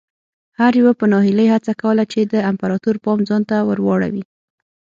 هر یوه په ناهیلۍ هڅه کوله چې د امپراتور پام ځان ته ور واړوي.